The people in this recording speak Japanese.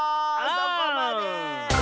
そこまで！